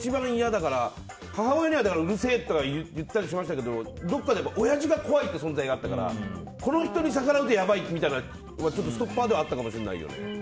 だから母親にはうるせえとは言ったりしましたけどどこかでおやじが怖いって存在があったからこの人に逆らったらやばいっていうストッパーではあったかもしれないね。